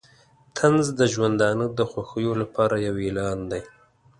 طنز د ژوندانه د خوښیو لپاره یو اعلان دی.